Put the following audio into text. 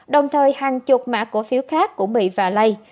đồng thời hàng chục mã cổ phiếu khác cũng bị vạ lay